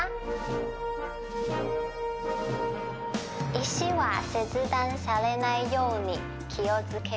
石は切断されないように気を付けましょう。